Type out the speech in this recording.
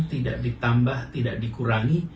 tidak ditambah tidak dikurangi